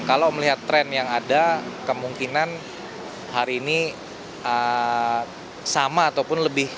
kalau melihat tren yang ada kemungkinan hari ini sama ataupun lebih